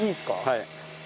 はい。